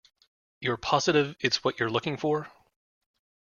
You're positive it's what you're looking for?